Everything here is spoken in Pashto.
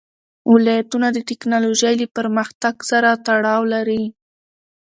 ولایتونه د تکنالوژۍ له پرمختګ سره تړاو لري.